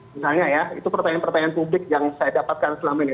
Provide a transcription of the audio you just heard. misalnya ya itu pertanyaan pertanyaan publik yang saya dapatkan selama ini